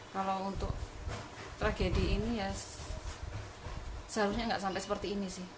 kalau untuk tragedi ini ya seharusnya nggak sampai seperti ini sih